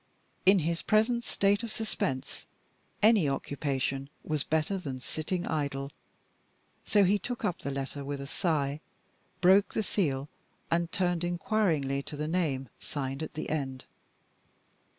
In his present state of suspense, any occupation was better than sitting idle. So he took up the letter with a sigh, broke the seal, and turned inquiringly to the name signed at the end.